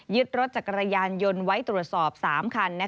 รถจักรยานยนต์ไว้ตรวจสอบ๓คัน